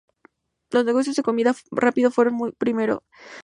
Los negocios de comida rápida fueron los primeros en reconocer su utilidad.